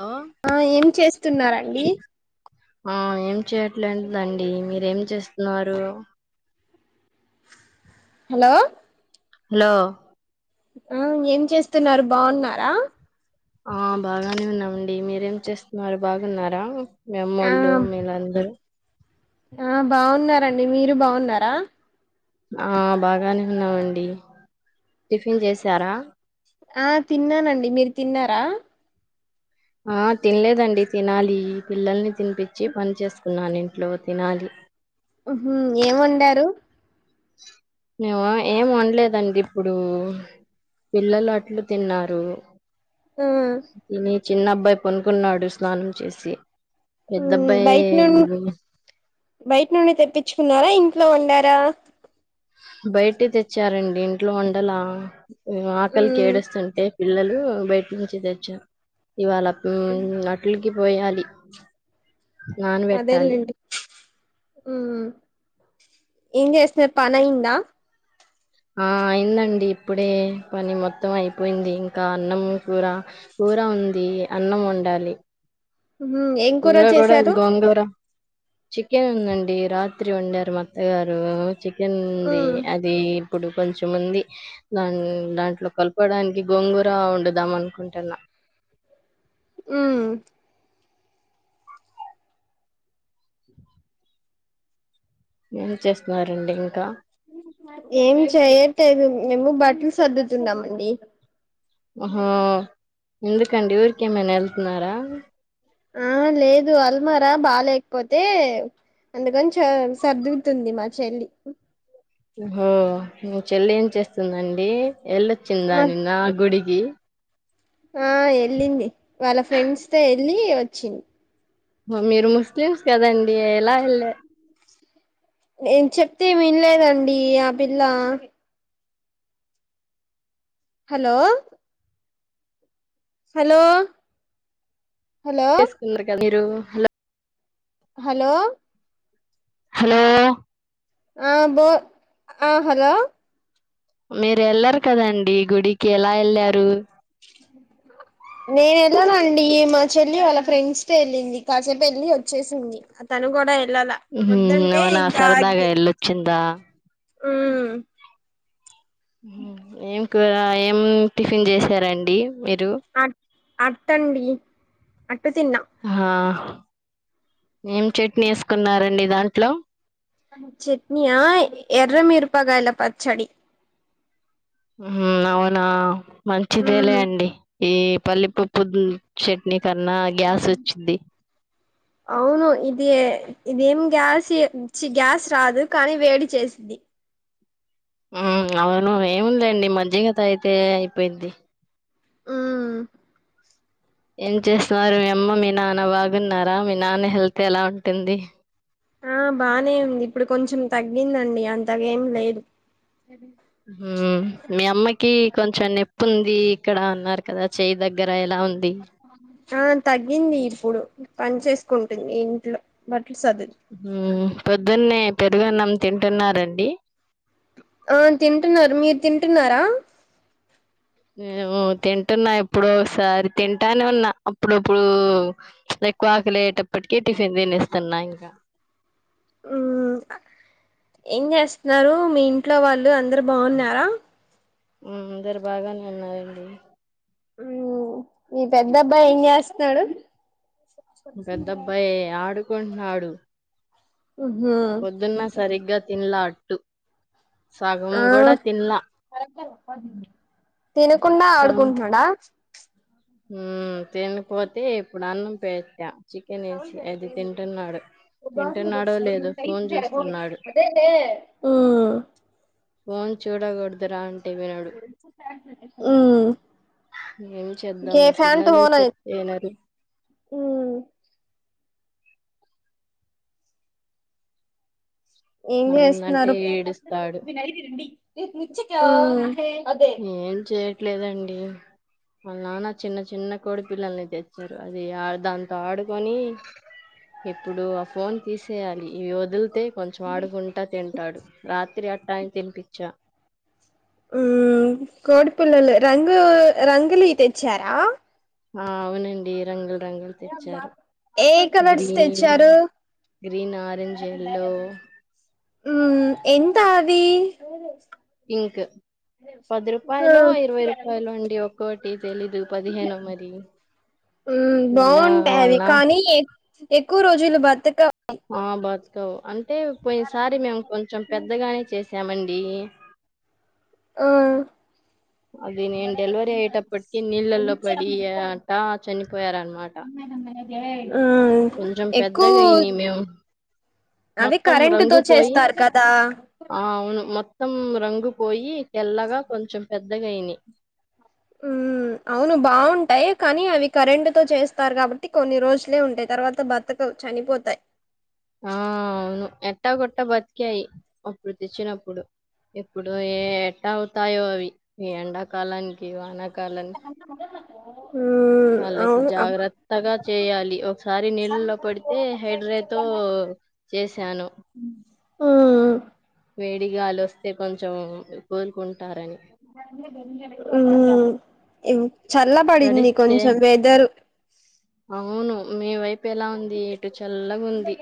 లో ఆ ఏం చేస్తున్నారండి ఆ ఏం చేయట్లేదండి మీరేం చేస్ ఉన్నారు హలో హలో ఆ ఏం చేస్తున్నారు బావున్నారా ఆ బాగానే ఉన్నామండి మీరేం చేస్తున్నారు బాగున్నారా మీ ఆ అమ్మోళ్ళు మీళందరూ ఆ బాగున్నారండి మీరు బాగున్నారా ఆ బాగానే ఉన్నామండి టిఫిన్ చేసారా ఆ తిన్నానండి మీరు తిన్నారా ఆ తిన్లేదండి తినాలి పిల్లల్ని తినిపిచ్చి పని చేసుకున్నాను ఇంట్లో తినాలి హ్మ్ హు ఏం వండారు మేమ ఏం వాండ్లేదండి ఇప్పుడు పిల్లలు అట్లు తిన్నారు. ఆ తిని చిన్న అబ్బాయి పనుకున్నాడు స్నానం చేసి పెద్ద ఉమ్, అబ్బాయి బయట ఏం నుండి బయట నుండి తెప్పిచ్చుకున్నారా ఇంట్లో వండారా బయటె తెచ్చారండి ఇంట్లో వండలా ఆకలికి ఉమ్ ఏడుస్తుంటే పిల్లలు బయట్నుంచి తెచ్చ ఇవాళ హ్మ్ అట్లు కి పోయాలి నాన్ వెట్టాలి అదేలేండి ఉమ్ ఏం చేస్తున్నారు పనైందా ఆ అయిందండి ఇప్పుడే పని మొత్తం అయిపోయింది ఇంకా అన్నం కూర కూర ఉంది అన్నం వండాలి ఉహు ఏం కూర కూరగుడ చేశారు గోంగుర చికెన్ ఉందండి రాత్రి వండారు మా అత్తగారు చికెన్ ఉంది ఉమ్ అదీ ఇప్పుడు కొంచెముంది దా దాంట్లో కలపడానికి గొంగుర వండుదాం అనుకుంటున్నా ఉమ్ ఏం చేస్తున్నారండి ఇంకా ఏం చేయట్లేదు మేము బట్టలు సర్దుతున్నామండి. అహా ఎందుకండి ఊరికి ఏమైనా ఎళ్తున్నారా ఆ లేదు అల్మారా బాలేకపోతే అందుకని చ సర్దుతుంది మా చెల్లి హో నువ్ చెల్లి ఏం చేస్తుందండి ఎల్లోచిందా మా నిన్న గుడి ఇ ఆ ఎల్లింది వాళ్ళ ఫ్రెండ్స్ తో ఎ ల్లి వచ్చింది మీరు ముస్లిమ్స్ కదండి ఎలా ఎల్లారు నేను చెప్తే వినలేదండి ఆ పిల్ల హలో హలో హలో చేసుకున్నారు కాని రో హలో హలో హలో ఆ బో ఆ హలో మీరు ఎళ్లరు కదండి గుడి కెలా వెళ్ళారు నేను ఎళ్ళనండి మా చెల్లి వాళ్ళ ఫ్రెండ్స్ తో వెళ్ళింది కాసేపు ఎళ్ళి వచ్చేసింది తను కూడా ఎల్ ఉహు అవునా సరదగా ఎల్లుచ్చింద ఆ హు ఏం కూర ఏం టిఫిన్ చేసారండి మీరు అట్ అట్టండి అట్టు తిన్నాం హా ఏం చట్నీ వేసుకున్నారండి దాంట్లో చెట్నీయా ఎర్రమిరుపాకాయల పచ్చడి ఉహుమ్ అవునా మంచిదేలే మ్మ్ అండి ఈ పల్లిపుప్పు చట్నీ కన్నా గ్యాస్ వచ్చిద్ది అవును ఇది ఏ ఇదేం గ్యాస్ ఇయ్ చి గ్యాస్ రాదు కానీ వేడి చేసిది అవును అవును ఏముందండి మజ్జిగ అయితే అయిపోయింది మ్మ్ ఏం చేస్తున్నారు మీ అమ్మ మీ నాన్న బాగున్నారా మీ నాన్న హెల్త్ ఎలా ఉంటుంది ఆ బానే ఉంది ఇప్పుడు కొంచెం తగ్గిందండి అంతగా ఎం లేదు మ్మ్ మీ అమ్మకి కొంచెం నేప్ తుంది ఇక్కడ ఉన్నారు కదా చేయి దగ్గర ఎలా ఉంది [inaudible] తగ్గింది ఇప్పుడు పని చేేసుకుంటుంది ఇంట్లో బట్ మ్మ్ పొద్దున్నే పెరుగున్నం తింటున్నారండి ఆ తింటున్నారు మీరు తింటున్నారా ఏ ఓ తింటున్నా ఎప్పుడో ఒసారి తింటానే ఉన్నా అప్పుడప్పుడు ఎక్కువ ఆకలి లయ్యేటప్పటికీ టిఫిన్ తినేస్తున్నా ఇంకా ఆ ఏం చేస్తున్నారు మీ ఇంట్లో వాళ్ళు అందరు బాగున్నారా మ్మ్ అందరు బాగానే ఉన్నారండి నీ పెద్దబ్బాయి ఏం చేస్తున్నాడు మీ పెద్దబాయ్ ఆడు కుంటునాడు మ్మ్ పొద్దున్న సరిగ్గా తిన్లా టు ఆ తినకుండా సగం ఆడుకుంటున్నాడా మ్మ్ తినకపోతే ఇప్పుడు అన్నం పెట్టా చికెన్ వేసి అది తింటున్నాడు తింటున్నాడో లేదో ఫోన్ చూస్తున్నాడు మ్మ్ ఫోన్ చూడకూడదురా తినేటపుడు ఏేం చేద్దాం గే మీ ఫ్యాన్ పిల్లలు టోన్ అయి చెప్తే ఇనారు ఉమ్ ఏం అదేందంటే చేస్తునారు ఏడుస్తాడు మ్మ్ ఏం చేయట్లేదండి వాళ్ళ నాన్న చిన్న చిన్న కోడి పిల్లల్ని తెచ్చారు అది దాంతో ఆడుకొని ఎప్పుడు ఆ ఫోన్ తీసేయాలి ఇవి వదిలితే కొంచెం ఆడుకుంటా తింటాడు రాత్రి అ టం తినిపిచ్చా ఉమ్ కోడి పిల్లలు రంగు రంగుఇయ్ తెచ్చారా ఆ అవునండి రంగు ఏ కలర్స్ గ్రీన్ తెచ్చారు గ్రీన్ ఆరెంజ్ ఎల్లో హ్మ్ ఎంత పి పింక్ పది రూపాయలో ఇరవై రూపాయలో అండి ఒకోటి తెలిదు పదిహేను మరి ఉమ్ బాగుంటాయి అవి నిన్నవల్ల కానీ ఎక్కువ రోజులు బతక ఆ బస్ కో అన్ అంటే పోయినసారి మేము కొంచెం పెద్దగానే చేసామండి డి ఆ అది నేను డెలివరీ అయ్యేటప్పటికి నీళ్ళల్లో పడి అట్ట చనిపోయారనమాట ఏ హ్మ్ కొంచెం ఎక్కువ పెద్దగా అయినియి మేము. అవి మొత్తం కరెంటు తో రంగు పోయి చేస్తారు కదా ఆ! అవును. మొత్తం రంగు పోయి తెల్లగా కొంచెం పెద్దగయినయ్ హ్మ్ అవును బాగుంటాయి కానీ అవి కరెంట్ తో చేస్తారు కాబట్టి కొన్ని రోజులే ఉంటాయి తర్వాత బతకవు చనిపోతాయి ఆ అవును ఎట్ట కొట్ట బతికాయి అప్పుడు తెచ్చినప్పుడు ఇప్పుడు ఏ ఎట్ట అవుతాయో అవి ఈ ఎండాకాలానికి వాన కాలాన్ ఓ వాళ్ళకి జాగ్రత్తగా చేయాలి ఒకసారి నీళ్ళల్లో పడితే హైడ్రేతో చేసాను హ్మ్ వేడిగాలి వస్తే కొంచెం కోలుకుం హ్మ్ ఎం చల్లబడింది తడిస్తే కొంచెం వెదర్ అవును మీ వైపు పె ఎలా ఉంది ఇటు చల్లగుంది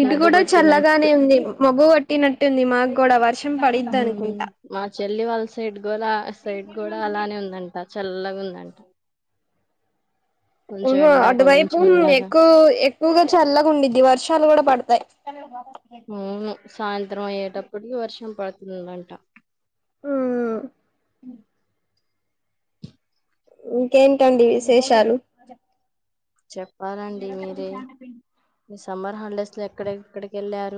ఇటు మబ్బు కూడా చల్లగానే పట్టినట్టు ఉంది మబ్బు పట్టినట్టుంది మాకు కూడా వర్ష మా చెల్లి వాళ్ళ సైడ్ కూడా సైడ్ కూడా అలానే ఉందంటా చల్లగా ఉందంట కొంచెం వు ఎండ కొంచెం అటువైపు చల్లగా ఎక్కువ ఎక్కువగా చల్లఉండిద్ది వర్షాలు కూడా పడు అవును సాయంత్రం అయేటప్పుడు వర్షం పడు వును అంట ఆ ఇంకేంటండి విశేషాలు చెప్పాలండి మీరే సమ్మర్ హాలిడేస్ లో ఎక్కడ ఎక్కడికెల్లార్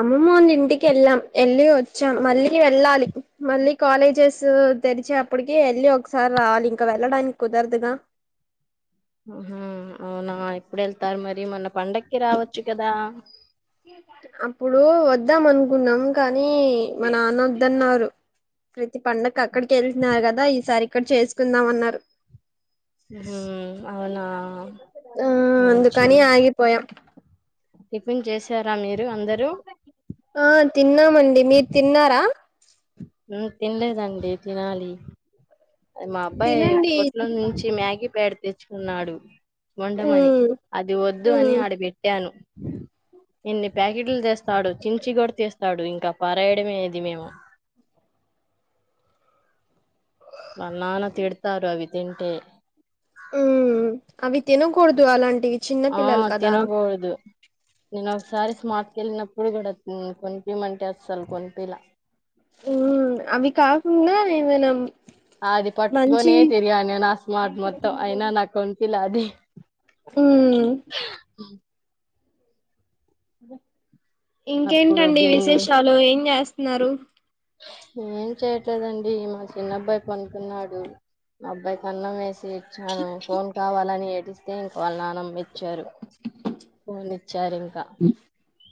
అమ్మోమోల ఇంటిక్ కెళ్ళాం ఎళ్లి వచ్చాం మళ్ళీ వెళ్ళాలి మళ్ళీ కాలేజెస్ తెరిచే అప్పటికి వెళ్ళి ఒకసారి రావాలి ఇంక వెళ్ళడానికి కుదరదుగా హ అవునా ఎప్పుడు వెళ్తారు మరి మొన్న పండక్కి రావచ్చు కదా అప్పుడు వద్దాం అనుకున్నాం కానీ మా నాన్న వద్దన్నారు ప్రతి పండగకి అక్కడికి వెళ్తునారు కదా ఈసారి ఇక్కడ చేసుకుందాం అన్నారు హుహు. అవునా! ఆ అందుకనీ మంచిది. ఆగిపోయా టిఫిన్ చేసారా మీర్ ఇగ అందరు తిన్న మండి మీరు తిన్నారా తినలేదండి తినాలి మా అబ్బాయి తినండి పోట్ల నుంచి మ్యాగీ పెడితే కున్నాడు వండమని ఉమ్ అది వద్దూ ఉమ్ అని ఆడ పెట్టాను ఎన్ని ప్యాకెట్లు తెస్ స్తడో చించిగాడ్ తెస్ స్తడు ఇంకా పారాయడమే ఇది మేమ్ మా నాన్న తిడతారు అవి తింటే హుమ్ అవి తినకూడదు అలాంట్ చిన్న ఆ! పిల్లలు కదా తినకూడదు. నేను ఒకసారి స్మార్ట్ కెళ్ళినప్పుడు కూడ హుమ్ కొనిపిమంటే అస్సలు కొనిపిలా హుమ్ అవి కాకుండ ఇవ్ మనం ఆది పట్టుకొనే తిరిగా నేనా స్మార్ట్ మొత్తం అయినా నా కొనిపిల అ ది హుమ్ అదే అప్పుడు ఇంకేంటండి బింగ్ విశేషాలు ఏం చేస్తున్నారు ఏం చేయట్లేదండి మా చిన్నబ్బాయ్ పనుకున్నాడు మా అబ్బాయ్ కి అన్నం వేస్ తెచ్చాను ఫోన్ కావాలని ఏడిస్తే వాళ్ళ నాన్నం ఇచ్చారు ఫోన్ ఇచ్చారు ఇంకా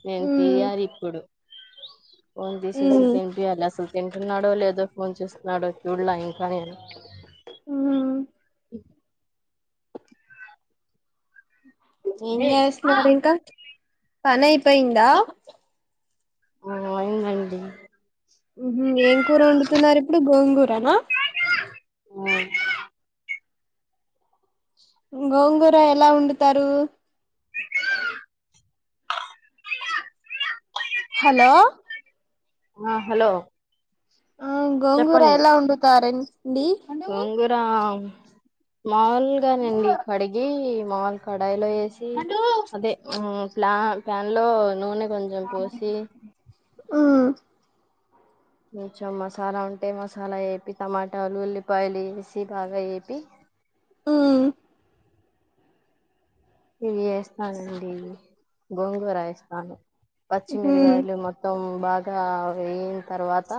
నేన్ మ్మ్ తీయారిప్పుడు ఫోన్ తీసేసి తింపియాలి అసలు తింటున్నాడో, లేదో ఫోన్ చూస్తున్నాడో చూడాల ఇంకా నేన్. మ్మ్ ఏం చేస్తున్నారు ఇంకా పనై పయిందా. ఆ అయిందండి. ఉహుం ఏం కూర వండుతున్నారు. ఇప్పుడు గోంగూరనా అ గోంగూర ఎలా వండుతారు‌. హలో ఆ హలో ఆ గోంగూర చెప్పండి ఎలా వండుతారెన్ గోంగూర ఆమ్ మాముల్ గానండి కడిగి మాల్ కడయిలో ఎ సి అదే హు ప్లా దాన్లో నూనె కొంజం కోసి ఉ కొంచెం మసాలా ఉంటే మసాలా ఏపి టమాటాలు, ఉల్లిపాయలు ఏసి బాగా ఏపి ఉ ఇవి ఏస్తానండి, గోంగూర ఏస్తాను. పచ్చిమిరగాయలు మ్మ్ మొత్తం బాగా వేయిన తర్వాత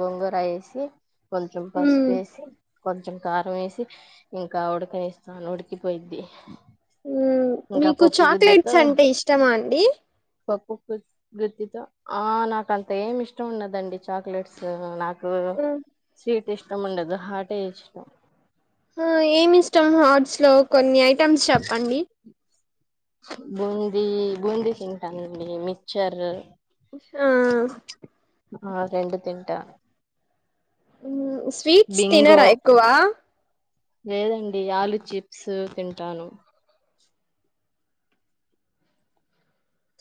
గోంగూర ఎసి కొంచం పసుప్ ఏసి కొంచెం కారం ఎసి, ఇంకా ఉడకనిస్తాను ఉడికిపొయిద్ది. హ్మ్ మీకు చాక్లెట్స్ అంటే ఇష్టమా అండి ఆ నాకు అంత ఏమి ఇష్టం ఉన్నదండి చాక్లెట్స్ నాక్ ఆ హ్మ్. సి ఇష్టం ఉండదు హార్టేష్ హా ఏం ఇష్టం హార్ట్స్ లో కొన్ని ఐ టమ్స్ చెప్పండి బూందీ, బూంది తింటానండి. మిచ్చర్ హు అట్ట ఉ స్వీట్స్ తినర ఎక్కువా లేదండి ఆలు చిప్సు తింటాను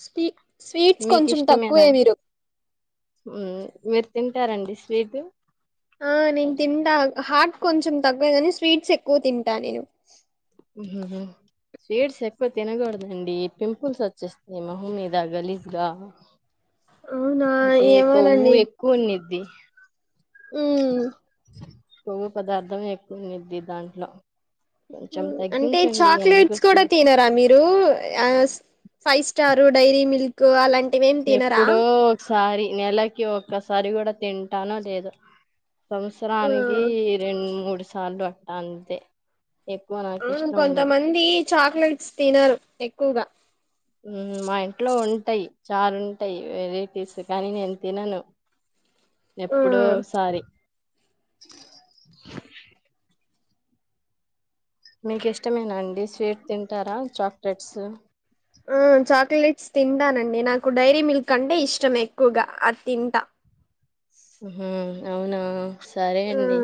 స్పీ స్వీట్స్ కొంచెం తక్కువే మీరు ఉమ్ మీరు తింటారండి స్వీటు ఆ నేన్ తింటా హాట్ కొంచం తక్కువ కాని స్వీట్స్ ఎక్కువ తింటా నేను హుమ్ హుహు స్వీట్స్ ఎక్కువ తిన్ గుడదండి పింపుల్స్ వచ్చేస్తయ్ మొహం మీద గలీజ్గా అవునా అంటే కొవ్వు ఏమోనండి ఎక్కువునుది [inaudible] ఉమ్ [unintelligible] కొవ్వు పదార్థం ఎకువునిది దాంట్లో కొంచెం హ్మ్ అంటే తగ్గించండి ఎందుకు చాక్లెట్స్ కూడ స్వీట్స్ తినరా మీరు ఆస్ ఫైవ్ స్టారు డైరీ మిల్క్ అలం ఎప్పుడో ఒక్ సారి నెలకి ఒక్కసారి గుడ తింటానో లేదో ఆ సంవత్సరానికీ రెండు మూడు సాన్ర అంతే ఎక్కువ నాకు అవును ఇష్టం కొంత ఉండదు మంది చా క్లేట్స్ తినరు ఎక్కువగా ఉమ్ మా ఇంట్లో ఉంటాయి చార్ ఉంటాయి వెరైటీస్ కానీ నేను తినను ఆ ఎప్పుడోసారి [inaudible] [unintelligible] మీకిష్టమేనా అండి స్వీట్ తింటారా చాక్లెట్స్ ఆ చాక్లెట్స్ తింటానండి నాకు డైరీ మిల్క్ అంటే ఇష్టం ఎక్కువగా అది తింటా ఉహుమ్ అవునా సరే ఆ అండి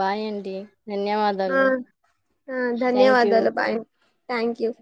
బాయండి ఆ ఆ థ్యాంక్ యూ ధన్యవాదాలు బాయ్ థ్యాంక్ యూ